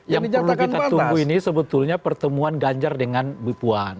yang perlu kita tunggu ini sebetulnya pertemuan ganjar dengan bipuan